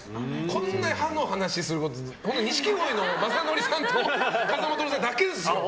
こんなに歯の話すること錦鯉の雅紀さんと風間トオルさんだけですよ。